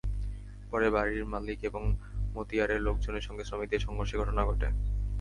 পরে বাড়ির মালিক এবং মতিয়ারের লোকজনের সঙ্গে শ্রমিকদের সংঘর্ষের ঘটনা ঘটে।